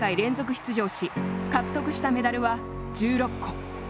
出場し獲得したメダルは１６個。